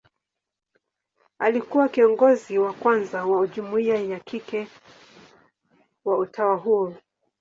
Alikuwa kiongozi wa kwanza wa jumuia ya kike wa utawa huo.